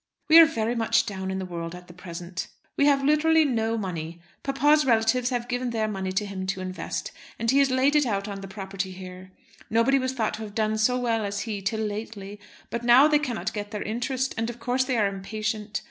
We are very much down in the world at the present. We have literally no money. Papa's relatives have given their money to him to invest, and he has laid it out on the property here. Nobody was thought to have done so well as he till lately; but now they cannot get their interest, and, of course, they are impatient.